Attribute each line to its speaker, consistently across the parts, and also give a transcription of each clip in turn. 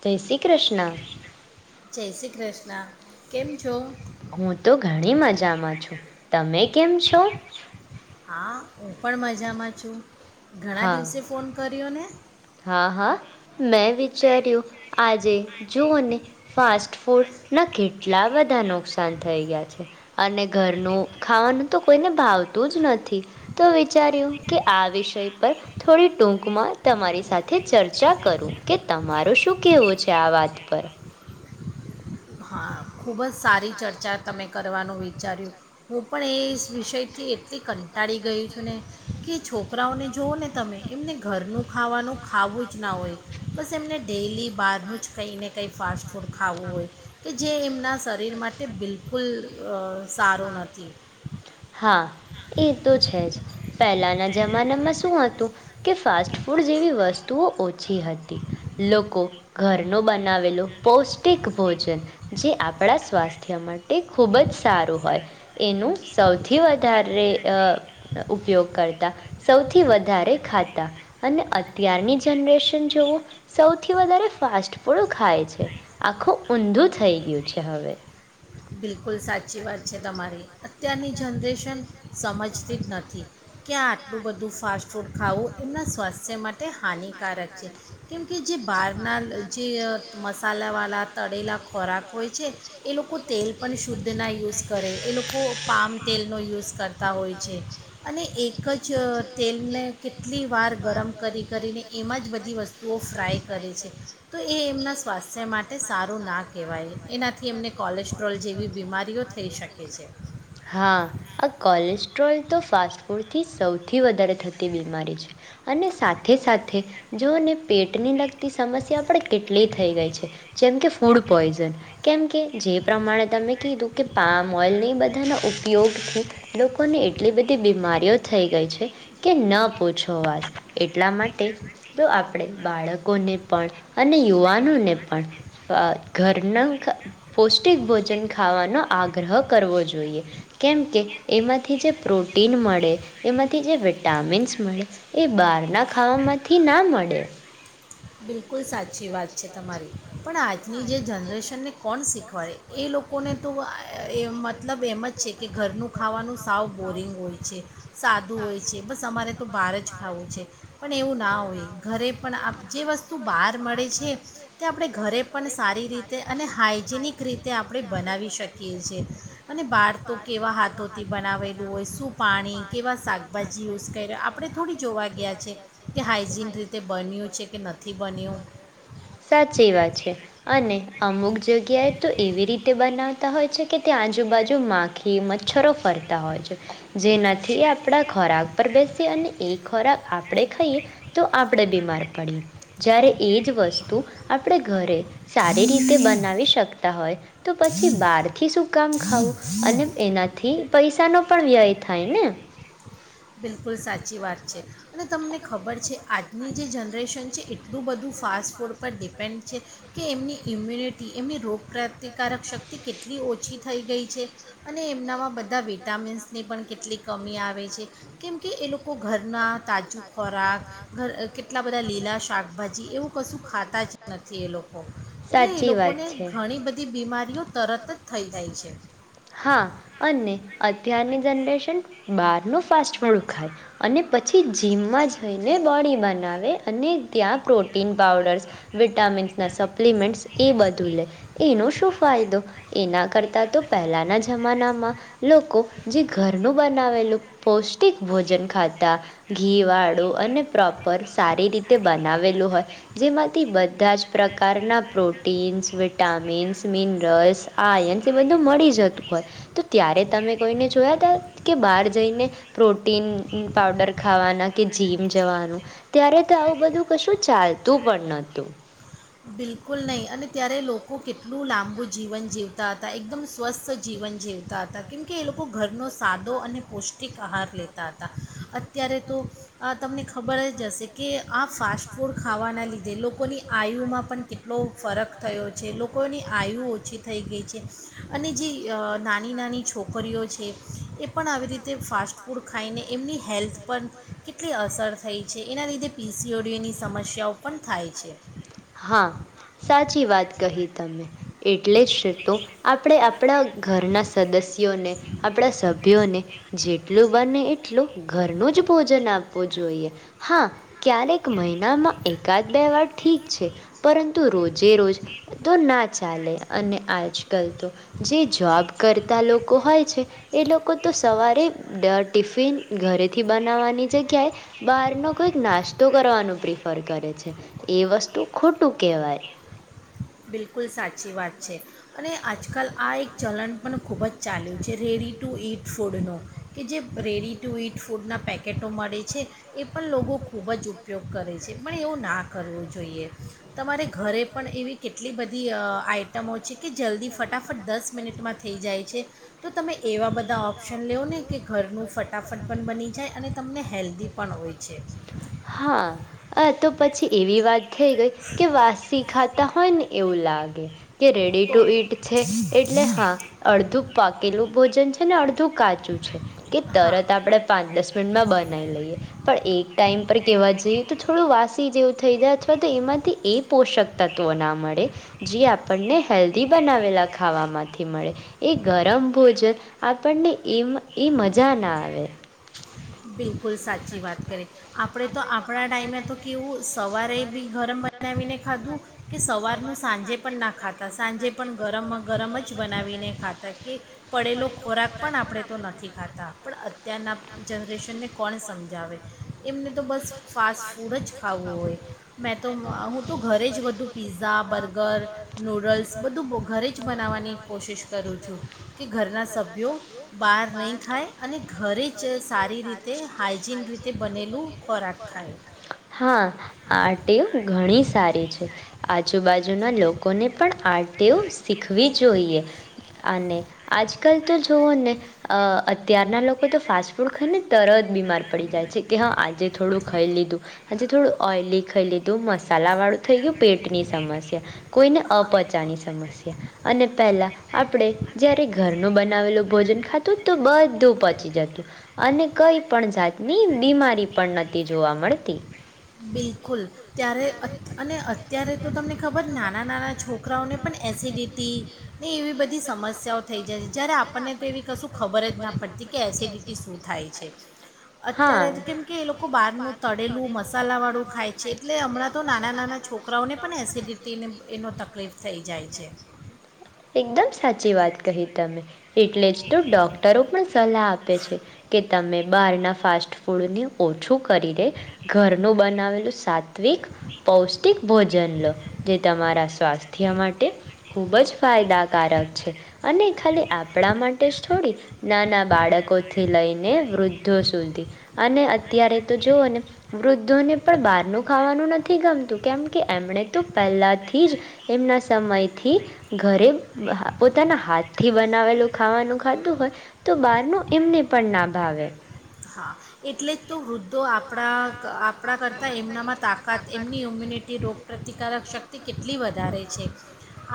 Speaker 1: જય શ્રી કૃષ્ણ
Speaker 2: જય શ્રી કૃષ્ણ કેમ છો
Speaker 1: હું તો ઘણી મજામાં છું તમે
Speaker 2: હા હું પણ મજામાં છું ઘણા દિવસે ફોન કર્યો ને
Speaker 1: હા હા મેં વિચાર્યું આજે જોઓને ફાસ્ટ ફૂડના કેટલા બધા નુકસાન થઈ ગયા છે અને ઘરનું ખાવાનું તો કોઈને ભાવતું જ નથી તો વિચાર્યું કે આ વિષય પર થોડી ટૂંકમાં તમારી સાથે ચર્ચા કરું કે તમારો શું કેવું છે આ વાત પર
Speaker 2: ખૂબ જ સારી ચર્ચા તમે કરવાનું વિચાર્યું હું પણ એ વિષયથી એટલી કન કટાડી ગયું છું ને કે છોકરાઓને જુઓ ને તમે એમને ઘરનું ખાવાનું ખાવું જ ના હોય બસ એમને ડેલી બહારનું જ કંઈ ને કંઈ ફાસ્ટ ફૂડ ખાવું હોય કે જે એમના શરીર માટે બિલકુલ અ સારો નથી
Speaker 1: તો છે જ પહેલાંના જમાનામાં શું હતું કે ફાસ્ટ ફૂડ જેવી વસ્તુ તુઓ ઓછી હતી લોકો ઘરનો બનાવેલો પૌષ્ટિક ભોજન જે આપણા સ્વાસ્થ્ય માટે ખૂબ જ સારું હોય એનું સૌથી વધારે અ ઉપયોગ કરતા સૌથી વધારે ખાતા અને અત્યારની જનરેશન જેવું સૌથી વધારે ફાસ્ટ ફૂડ ખાય છે આખું ઊંધું થઈ ગયું છે હવે
Speaker 2: બિલકુલ સાચી વાત છે તમારી અત્યારની જનરેશન સમજતી જ નથી કે્યાં આટલું બધું ફાસ્ટ ફૂડ ખાવું એમના સ્વાસ્થ્ય માટે હાનિકારક છે કેમ કે જે બહારના જે મસાલાવાળા તળેલા ખોરાક હોય છે એ લોકો તેલ પણ શુદ્ધના યુઝ કરે એ લોકો પામ તેલનો યુઝ કરતા હોય છે અને એક જ તેલને કેટલી વાર ગરમ કરી કરીને એમાં જ બધી વસ્તુઓ ફ્રાય કરે છે તો એ એમના સ્વાસ્થ્ય માટે સારું ના કહેવાય એનાથી એમને કોલેસ્ટ્રો
Speaker 1: હા આ કોલેસ્ટ્રોલ તો ફાસ્ટ ફૂડથી સૌથી વધારે થતી બીમારી છે અને સાથે સાથે જોને પેટ પટની લગતી સમસ્યા પણ કેટલી થઈ ગઈ છે જેમ કે ફૂડ પોઈઝન કેમ કે જે પ્રમાણે તમે કીધું કે પામ ઓઇલની બધાના ઉપયોગથી લોકોને એટલી બધી બીમારીઓ થઈ ગઈ છે કે ન પુછોવાત એટલા માટે જો આપણે બાળકોને પણ અને યુવાનોને પણ અ ઘરના પૌષ્ટિક ભોજન ખાવાનો આગ્રહ કરવો જોઈએ કેમકે એમાંથી જે પ્રોટીન મળે એમાંથી જે વિટામિન્સ મળે એ બહારના ખાવામાંથી ના મળે
Speaker 2: બિલકુલ સાચી વાત છે તમારી પણ આજની જે જનરેશનને કોણ શીખવાડે એ લોકોને તો એ મતલબ એમ જ છે કે ઘરનું ખાવાનું સાવ બોરિંગ હોય છે સાદું હોય છે બસ અમારે તો બહાર જ ખાવું છે પણ એવું ના હોય ઘરે પણ આપ જે વસ્ત
Speaker 1: બાર મળે છે તે આપણે ઘરે પણ સારી રીતે અને હાઈજીનિક રીતે આપણે બનાવી શકીએ છેીએ અને બાર તો કેવા હાથોથી બનાવેલું હો શું પાણી કેવા શાકભાજી આપણે થોડું જોવા ગયા છે કે હાઈજીનિક રીતે બનવ્યું છે સાચી વાત છે અને અમુક જગ્યાએ તો એવી રીતે બનાવતા હોય છે કે તે આજુબાજુ માખી મચ્છરો ફરતા હોય છે. જેનાથી એ આપણા ખોરાક પર બેસી અને એ ખોરાક આપ આપણે ખાઈએ તો આપણેે બીમાર પડીએ. જ્યારે એ જ વસ્તુ આપણે ઘરે સારી રીતે બનાવી શકતા હોય તો પછી બહારથી શું કામ ખાવું અને એનાથી પૈસા પૈસા નો પણ વ્યય થાય ને
Speaker 2: બિલકુલ સાચી વાત છે અ તમને ખબર છે આજની જે જનરેશન છે એટલું બધું ફાસ્ટ ફૂડ પર ડિપેન્ડ છે કે એમની ઇમ્યુનિટી એમની રોગપ્રતિકારક શક્તિ કેટલી ઓછી થઈ ગઈ છે અને એમનામાં બધા વિટામિન્સની પણ કેટલી કમી આવે છે કેમ કે એ લોકો ઘરના તાજું ખોરાક ઘર કેટલા બધા લીલા શાકભાજી એવું કશું ખાતા જ નથી એ લોકો એટલે એ લોકોને ઘણી બધી બીમારીઓ તરત જ થઈ જાય છે
Speaker 1: હા અને અત્યારની જનરેશન બારનું ફાસ્ટ ફૂડ ખાય અને પછી જીમમાં જઈને બોડી બનાવે અને ત્યાં protein powders vitamin supplement એ બધું લે એનું શું? ફાયદો એના કરતાં તો પહેલાના જમાનામાં લોકો જે ઘરનું બનાવેલું પૌષ્ટિક ભોજન ખાતા. ઘીવાળું અને પ્રોપર સારી રીતે બનાવેલું હોય. જેમાંથી બધા જ પ્રકારના પ્રોટીન્સ, વિટામિન્સ, મિનરલ્સ, આયન્સ એ મળી જતું હોય તો ત્યારે તમે કોઈને જોયા તા કે બહાર જઈને પ્રોટીન પાવડર ખાવાના કે જીમ જવાનું. ત્યારે તો આવું બધું કશું ચાલતું પણ નતું.
Speaker 2: બિલકુલ નહીં અને ત્યારે લોકો કેટલું લાંબુ જીવન જીવતા હતા એકદમ સ્વસ્થ જીવન જીવતા હતા કેમકે એ લોકો ઘરનો સાદો અને પૌષ્ટિક આહાર લેતા હતા. અત્યારે તો તમને ખબર જ હશે કે આ ફાસ્ટ ફૂડ ખાવાના લીધે લોકોની આયુમાં પણ કેટલો ફરક થયો છે. લોકોની આયુ ઓછી થઈ ગઈ છે અને જે નાની નાની છોકરીઓ છે એ પણ આવી રીતે ફાસ્ટ ફૂડ ખાઈને એમની હેલ્થ પણ કે કેટલી અસર થઈ છે એના લીધે પીસીઓડીઓની સમસ્યાઓ પણ થાય છે.
Speaker 1: સાચી વાત કહી તમે એટલે જ તો આપણે આપણા ઘરના સદસ્યોને, આપણા સભ્યોને જેટલું બને એટલું ઘરનું જ ભોજન આપવું. જોઈએ, હા ક્યારેક મહિનામાં એકાદ બે વાર ઠીક છે પરંતુ રોજે રોજ તો ના ચાલે અને આજકાલ તો જે જોબ કરતા લોકો હોય છે એ લોકો તો સવારે ટિફિન ઘરેથી બનાવવાની જગ્યાએ બહારનો કોઈક નાસ્તો કરવાનું પ્રિફર કરે છે, એ વસ્તુ ખોટું કહેવાય.
Speaker 2: બિલકુલ સાચી વાત છે. અને આજકાલ આ એક ચલણ પણ ખૂબ જ ચાલ્યું છે. રેડી ટુ ઇટ ફૂડનું કે જે રેડી ટુ ઇટ ફૂડનાં પેકેટો મળે છે એ પણ લોકો ખૂબ જ ઉપયોગ કરે છે, પણ એવું ના કરવું જોઈએ તમારે ઘરે પણ એવી એટલી બધી અ આઇટમો છે કે જલ્દી ફટાફટ દસ મિનિટમાં થઈ જાય છે તો તમે
Speaker 1: હા. અ તો પછી એવી વાત થઈ ગઈ કે વાસી ખાતા હોય ને એવું લાગે. કે કે રેડી ટુ ઇટ છે એટલે હા અડધું પાકેલું ભોજન છે. એન અડ ધું કાચું છે કે તરત આપણે પાંચ દસ મિનિટમાં બનાવી લઈએ, પણ એક ટાઈમ પર કેવા જઈએ તો થોડું વાસી જેવું થઈ જાય છે તો એમાંથી એ પોષક તત્વો ના મળે, જે આપણને હેલ્ધી બનાવેલા ખાવામાંથી મળે. એ ગરમ ભોજન આપણને એ મ મજા ના આવે.
Speaker 2: બિલકુલ સાચી વાત કરી. આપણે તો આપણા ટાઈમે તો કેવું સવારેય બી ગરમ બનાવીને ખાધું કે સવારનું સાંજે પણ ના ખાતા, સાંજે પણ ગરમ ગરમ જ બનાવીને ખાતા કે પડેલો ખોરાક પણ આપણે તો નથી ખાતા, પણ અત્યારના જનરેશનને કોણ સમજાવે, એમ તો બસ ફાસ્ટ ફૂડ જ ખાવવું હોય. મેં તો હું અહ તો ઘરે જ બધું પીઝા, બર્ગર, નૂડલ્સ બધું ઘરે જ બનાવવાની કોશિશ કરું છું, કે ઘરના સભ્યો બહાર નહીં ખાય અને ઘરે જ સારી રીતે હાઈજીન રીતે બનેલી
Speaker 1: હા આ ટેવ ઘણી સારી છે. આજુબાજુ બાજુના લોકોને પણ આ ટેવ શીખવી જોઈએ. અને આજકાલ તો જુઓને અહ અત્યારના લોકો તો ફાસ્ટ ફૂડ ખાઈને તરત બીમાર પડી જાય છે. કે હા આજે થોડું ખાઈ લીધું આજે થોડું ઓઈલી ખાઈ લીધું, મસાલા વાળું થઈ ગયું પેટની સમસ્યા, કોઈને અપચાની સમસ્યા અને પહેલાં આપણે જ્યારે ઘરનું બનાવેલું ભોજન ખાતું તો બધું પચી જતું, અને કંઈ પણ જાતની બીમારી પણ નતી જોવા મળતી.
Speaker 2: બિલકુલ ત્યારે અન અને અત્યારે તો તમને ખબર નાના-નાના છોકરાઓને પણ એસિડિટી ને એવી બધી સમસ સમસ્યાઓ થઈ જાય છે, જ્યારે આપણને તો એવી કશું ખબર જ ના પડતી કે એસિડિટી શું થાય છે, અત્યારે કેમ કે એ લોકો બહારનું તળેલું મસ
Speaker 1: એકદમ સાચી ચી વાત કહી તમે. એટલે જ તો ડોક્ટરો પણ સલાહ આપે છે કે તમે બહારના ફાસ્ટ ફૂડને ઓછો કરીને ઘર નું બનાવે સાત્વિક પૌષ્ટિક ભોજન લો, જે તમારા સ્વાસ્થ્ય માટે ખૂબ જ ફાયદ દાકારક છે. નહિ ખાલી આપણા માટે જ થોડી, નાના બાળકોથી લઈને વૃદ્ધો સુધી, અને અત્યારે તો જુવો ને વૃદ્ધોને પણ બહારનું ખાવાનું નથી ગમતું, કેમ કે એમણે તો પહેલાથી જ એમના સમયથી ઘરે અહ પો પોતાના હાથ થી બનાવેલું ખાવાનું ખાધું હોય તો બાર નું એમને પણ ના ભાવે.
Speaker 2: હા એટલે જ તો વૃદ્ધ દ્ધો આપણા અહ આપણા કરતાં એમનામાં તાકાત, એમની ઇમ્યુનિટી, રોગપ્રતિકારક શક્તિ [unintelligible] કેટલી વધારે છે,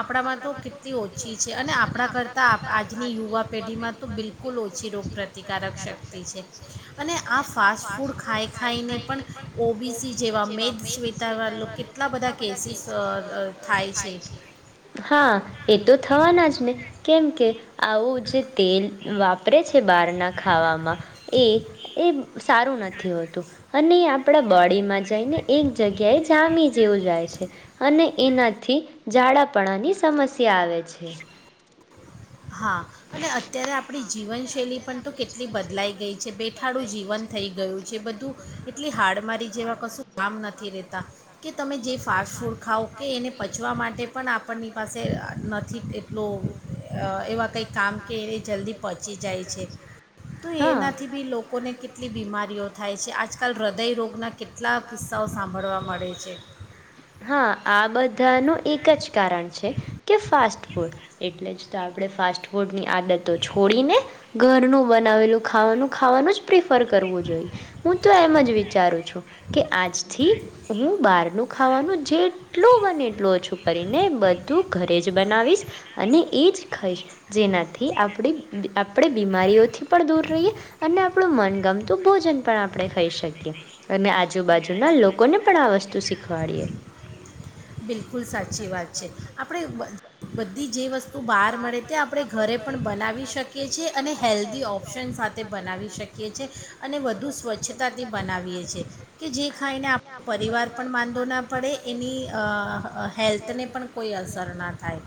Speaker 2: આપણામાં તો કેટલી ઓછી છે, અને આપણાં કરતાં આજની યુવા પેઢીમાં તો બિલકુલ ઓછી રોગપ્રતિકારક શક્તિ છે. અને આ ફાસ્ટ ફૂડ ખાઈ ખાઈને પણ ઓ બી સી જેવા મેદ સ્ વતારવા કેટલા બધા કેસીિસ થાય.
Speaker 1: થાય છે. હા. એ તો થવાના જ ને કેમ કે આવું જે તેલ વાપરે છે બહારના ખાવામાં એ એ સારું નથી હોતું અને એ આપણા બોડીમાં જ જને એક જગ્યાએ જામી જાય જેવું જાય છે, અને એના થી થી ઝડાપણાની સમસ્યા સ્યા આવેે છે.
Speaker 2: હા અને અત્યારે આપણી જીવનશૈલી પણ તો કેટલી કેટલી બદલાઈ ગઈ છે. બેટ બેઠાડું જીવન થઈ ગયું છે, બધું એટલી હાર્ડ તમારી જેવા કશું કામ નથી રેતા. કે તમે જે ફાસ્ટ ફૂડ ખાાવ કે એને પચવા માટે પણ આપણની પાસે નથી. નવ અ એ વાત કંઈ કામ કે એ જલ્દી પહોંચી જાય છે તો એનાથી બી લોકોને કેટલી બીમારીઓ થાય છે. આ
Speaker 1: આજકાલ હૃદય રોગના કેટલા કિસ્સાઓ સાંભળવા મળે છે. હા આ બાદ બધા નો એક જ કારણ છે કે ફાસ્ટ ફૂડ એટલે જ આપણે ફાસ્ટ ફૂડની આદતો છોડી ને ઘરનું બનાવેલું ખાવાનું ખાવાનું જ પ્રિફ પ્રિફર કરવું જોઈએ. રોજ વિચારું છું કે આજથી હું બારનું ખાવાનું ખાવાનું જેટલું બને એટલું ઓછું કરીને બધું ઘરે જ બનાવીશ અને એ જ ખાઈશ જેનાથી આપણી આપણે બીમારીઓથી પણ દૂર રહીએ અને આપણું મનગમતું ભોજન પણ આપણે આપણે ખાઈ શકીએ અને આજુબાજુના લોકોને પણ આ વસ્તુ શીખવાડીએ
Speaker 2: બિલકુલ સાચી વાત છે. આપણે બધી જે વસ્તુ તું બહાર મળે તે આપણે ઘરે પણ બનાવી શકીએ છીએ અને હેલ્ધી ઓપ્શન સાથે બનાવી શકીએ છ છેએ અને વધુ સ્વચ્છતાથી બનાવીએ છ છીએ કે જે ખાઈને આપણો પરિવાર પણ વાંધો ના પડે એની અ હેલ્થને પણ કોઈ અસર ના થાય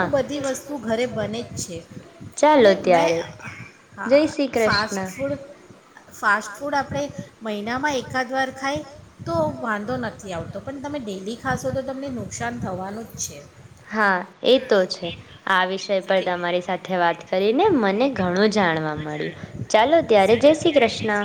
Speaker 2: તો બધી તું ઘરે બને જ છે અને મેં હા ફાસ્ટ ફૂડ ફાસ્ટ ફૂડ આપણે મહિનામાં એકાદ વાર ખાય તો વાંધો નથી આવતો પણ તમે ડેલી
Speaker 1: હા એ તો છે. આ વિષય પર તમારી સાથે વાત કરીને મને ઘણું જાણવા મળ્યું ચાલો ત્યારે જય શ્રી કૃષ્ણ.